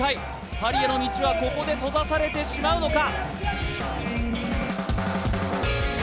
パリへの道はここで閉ざされてしまうのか？